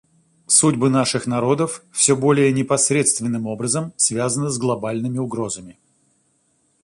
Судьбы наших народов все более непосредственным образом связаны с глобальными угрозами.